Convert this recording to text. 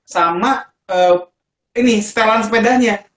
sama ini setelan sepedanya